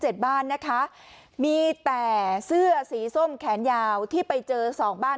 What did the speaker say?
บ้านนะคะมีแต่เสื้อสีส้มแขนยาวที่ไปเจอสองบ้าน